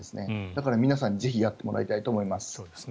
だから皆さん、ぜひやってもらいたいと思います。